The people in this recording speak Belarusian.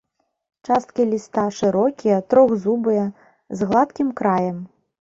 Часткі ліста шырокія, трохзубыя, з гладкім краем.